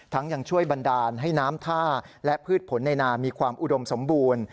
ยังช่วยบันดาลให้น้ำท่าและพืชผลในนามีความอุดมสมบูรณ์